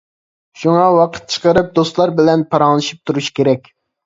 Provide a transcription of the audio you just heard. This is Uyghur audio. شۇڭا، ۋاقىت چىقىرىپ، دوستلار بىلەن پاراڭلىشىپ تۇرۇش كېرەك.